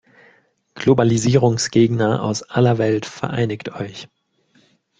Globalisierungsgegner aus aller Welt vereinigt euch!